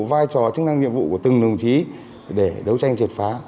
vai trò chức năng nhiệm vụ của từng đồng chí để đấu tranh triệt phá